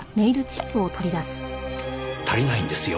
足りないんですよ